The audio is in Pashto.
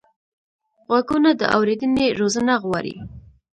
غوږونه د اورېدنې روزنه غواړي